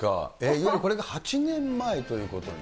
いわゆるこれが８年前ということに。